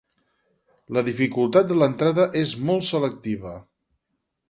La dificultat de l'entrada és molt selectiva.